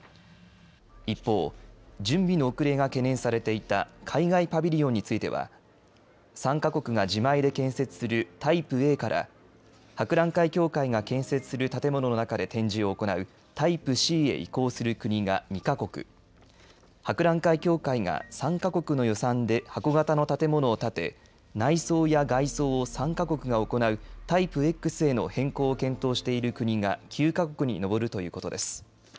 一方、準備の遅れが懸念されていた海外パビリオンについては参加国が自前で建設するタイプＡから博覧会協会が建設する建物の中で展示を行うタイプＣへ移行する国が２か国博覧会協会が参加国の予算で箱形の建物を建てた内装や外装を参加国が行うタイプＸへの変更を検討している国が９か国に上るということです。